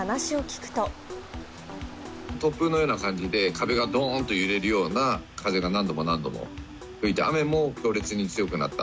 突風のような感じで、壁がどーんと揺れるような風が何度も何度も吹いて、雨も強烈に強くなった。